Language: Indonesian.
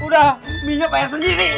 udah mie nya bayar sendiri ya mang ocet